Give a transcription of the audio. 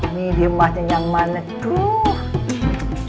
ini di emasnya yang mana tuh